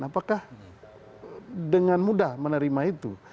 apakah dengan mudah menerima itu